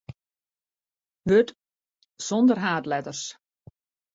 Wurd sonder haadletters.